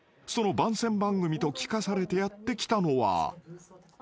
［その番宣番組と聞かされてやって来たのは］